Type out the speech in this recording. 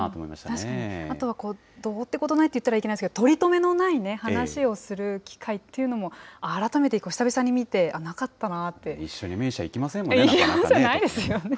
確かに、あとはどうってことないって言ったらいけないですけど、とりとめのない話をする機会っていうのも、改めて久々に見て、一緒に目医者行きませんもんないですよね。